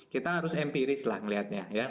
kita harus empiris lah ngelihatnya